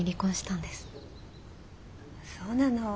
そうなの。